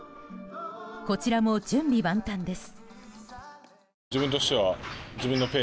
こちらも準備万端です。